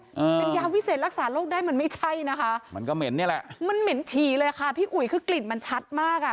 อ่าเป็นยาวิเศษรักษาโรคได้มันไม่ใช่นะคะมันก็เหม็นนี่แหละมันเหม็นฉี่เลยค่ะพี่อุ๋ยคือกลิ่นมันชัดมากอ่ะ